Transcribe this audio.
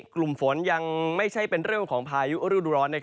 กลุ่มฝนยังไม่ใช่เป็นเรื่องของพายุฤดูร้อน